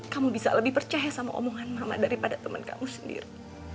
kamu bisa lebih percaya sama omongan mama daripada teman kamu sendiri